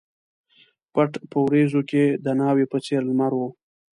پټ په وریځو کښي د ناوي په څېر لمر و